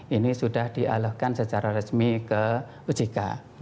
ini sudah dialahkan secara resmi ke ujk